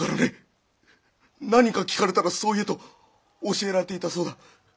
何か聞かれたらそう言えと教えられていたそうだ。